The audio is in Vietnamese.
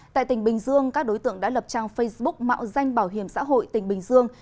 tại tỉnh bình dương các đối tượng đã lập trang facebook mạo danh bảo hiểm xã hội tỉnh bình dương